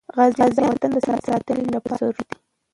غازیان د وطن د ساتنې لپاره زړور دي.